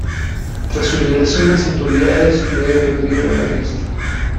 Tras su liberación, las autoridades le perdieron la pista.